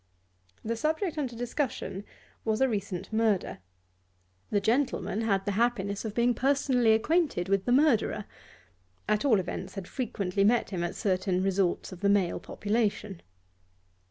The subject under discussion was a recent murder. The gentleman had the happiness of being personally acquainted with the murderer, at all events had frequently met him at certain resorts of the male population.